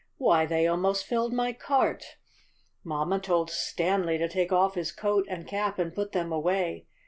Why, they almost filled my cart!^' Mamma told Stanley to take off his coat and cap and put them away.